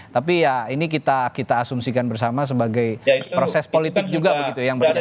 tapi ya ini kita asumsikan bersama sebagai proses politik juga begitu yang berjalan